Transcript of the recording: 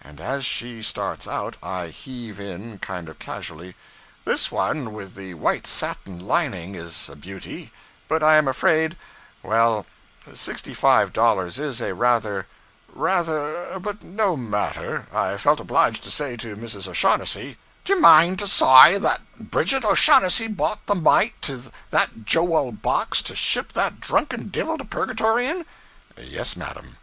And as she starts out, I heave in, kind of casually, "This one with the white satin lining is a beauty, but I am afraid well, sixty five dollars is a rather rather but no matter, I felt obliged to say to Mrs. O'Shaughnessy " '"D'ye mane to soy that Bridget O'Shaughnessy bought the mate to that joo ul box to ship that dhrunken divil to Purgatory in?" '"Yes, madam."